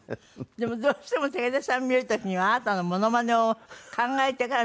でもどうしても武田さん見る時にはあなたのモノマネを考えてから見ちゃいますよね。